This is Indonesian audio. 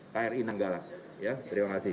kri nenggala ya terima kasih